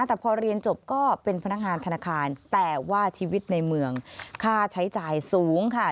แต่พอเรียนจบก็เป็นพนักงานธนาคารแต่ว่าชีวิตในเมืองค่าใช้จ่ายสูงค่ะ